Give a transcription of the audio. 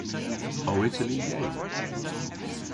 O Itali yeyn?